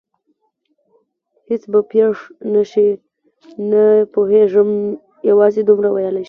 هېڅ به پېښ نه شي؟ نه پوهېږم، یوازې دومره ویلای شم.